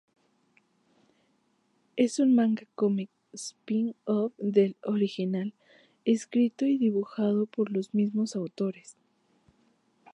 Es un manga cómico, spin-off del original, escrito y dibujado por los mismos autores.